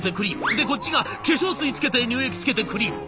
でこっちが化粧水つけて乳液つけてクリーム。